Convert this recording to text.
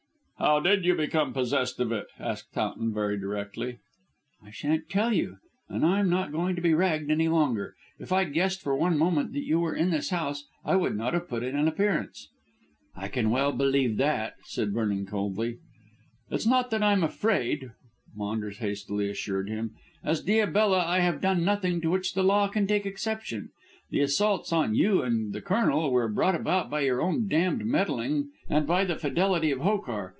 "How did you become possessed of it?" asked Towton very directly. "I shan't tell you. And I'm not going to be ragged any longer. If I'd guessed for one moment that you were in this house I would not have put in an appearance." "I can well believe that," said Vernon coolly. "It's not that I'm afraid," Maunders hastily assured him. "As Diabella I have done nothing to which the law can take exception. The assaults on you and the Colonel were brought about by your own damned meddling and by the fidelity of Hokar.